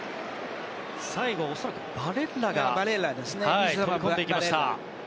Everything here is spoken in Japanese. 最後、恐らくバレッラが飛び込んでいきました。